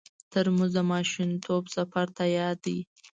ترموز د ماشومتوب سفر ته یاد دی.